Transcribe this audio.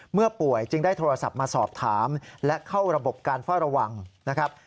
เมื่อป่วยจึงได้โทรศัพท์มาสอบถามและเข้าระบบการเฝ้าระวังนะครับ